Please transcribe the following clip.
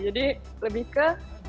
jadi lebih ke